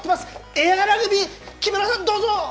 エアラグビー、木村さん、どうぞ。